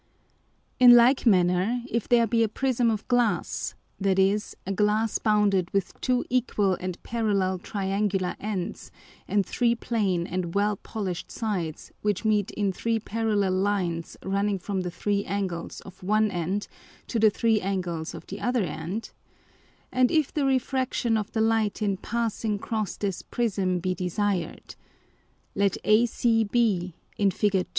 In like manner, if there be a Prism of Glass (that is, a Glass bounded with two Equal and Parallel Triangular ends, and three plain and well polished Sides, which meet in three Parallel Lines running from the three Angles of one end to the three Angles of the other end) and if the Refraction of the Light in passing cross this Prism be desired: Let ACB [in _Fig.